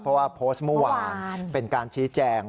เพราะว่าโพสต์เมื่อวานเป็นการชี้แจง